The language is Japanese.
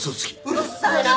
うるさいな！